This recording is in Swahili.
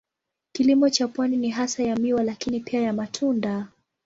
Kilimo cha pwani ni hasa ya miwa lakini pia ya matunda.